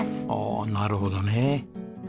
ああなるほどね。